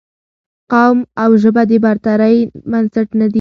قوم او ژبه د برترۍ بنسټ نه دي